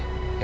ya udah pak